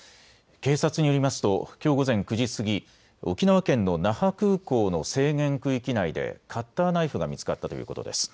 警察によりますときょう午前９時過ぎ、沖縄県の那覇空港の制限区域内でカッターナイフが見つかったということです。